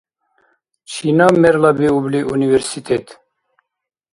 Чинаб мерлабиубли университет?